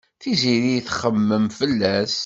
Tiziri txemmem fell-as.